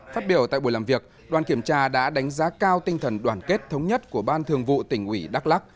phát biểu tại buổi làm việc đoàn kiểm tra đã đánh giá cao tinh thần đoàn kết thống nhất của ban thường vụ tỉnh ủy đắk lắc